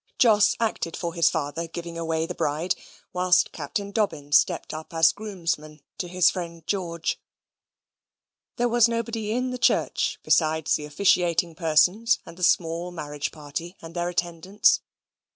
Jos acted for his father, giving away the bride, whilst Captain Dobbin stepped up as groomsman to his friend George. There was nobody in the church besides the officiating persons and the small marriage party and their attendants.